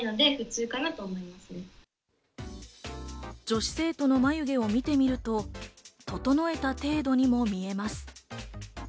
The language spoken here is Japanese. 女子生徒の眉毛を見てみると、整えた程度にも見えます。